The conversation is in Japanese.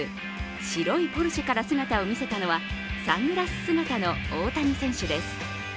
白いポルシェから姿を見せたのは、サングラス姿の大谷選手です。